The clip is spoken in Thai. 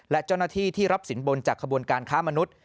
และเจ้าหน้าที่ที่รับสินบนจากขบวนการค้ามนุษย์